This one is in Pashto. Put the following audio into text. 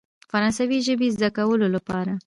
فرانسوي ژبې زده کولو لپاره.